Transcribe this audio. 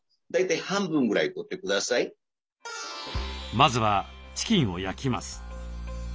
まずはチキンを焼きます。